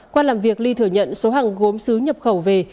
qua làm việc ly thừa nhận số hàng gốm xứ nhập khẩu về